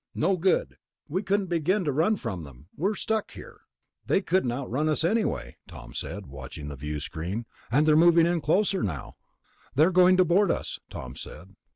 "No good. We couldn't begin to run from them. We're stuck here." "They could outrun us anyway," Tom said, watching the viewscreen. "And they're moving in closer now." "They're going to board us," Tom said.